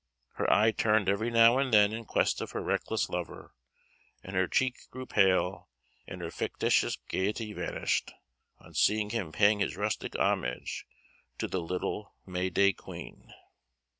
Her eye turned every now and then in quest of her reckless lover, and her cheek grew pale, and her fictitious gaiety vanished, on seeing him paying his rustic homage to the little May day Queen.